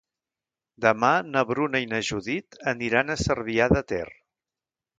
Demà na Bruna i na Judit aniran a Cervià de Ter.